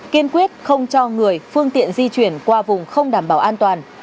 kiên quyết không cho người phương tiện di chuyển qua vùng không đảm bảo an toàn